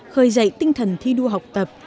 khởi dạy tinh thần thi đua học tập